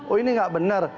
oh ini nggak benar